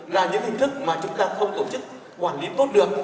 là những hình thức mà chúng ta không tổ chức quản lý tốt được